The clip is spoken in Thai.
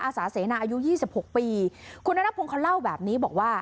สาเสนาอายุยี่สิบหกปีคุณนัทพงศ์เขาเล่าแบบนี้บอกว่า